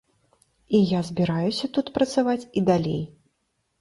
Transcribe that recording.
І я збіраюся тут працаваць і далей.